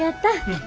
うん。